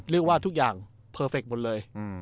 เรียกว่าทุกอย่างเพอร์เฟคท์หมดเลย